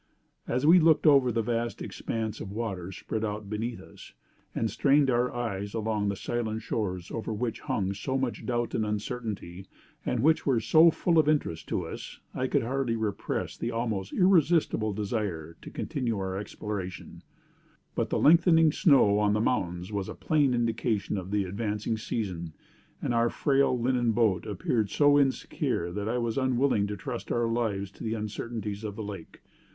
"'As we looked over the vast expanse of water spread out beneath us, and strained our eyes along the silent shores over which hung so much doubt and uncertainty, and which were so full of interest to us, I could hardly repress the almost irresistible desire to continue our exploration; but the lengthening snow on the mountains was a plain indication of the advancing season, and our frail linen boat appeared so insecure that I was unwilling to trust our lives to the uncertainties of the lake.